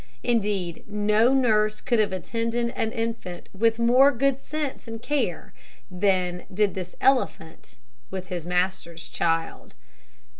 Indeed, no nurse could have attended an infant with more good sense and care than did this elephant his master's child.